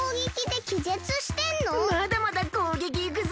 まだまだこうげきいくぞ！